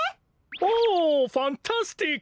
おファンタスティック！